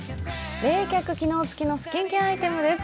冷却機能付きのスキンケアアイテムです。